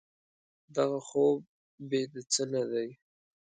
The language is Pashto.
دغه خوب بې د څه نه دی.